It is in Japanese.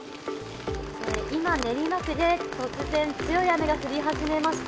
今、練馬区で突然、強い雨が降り始めました。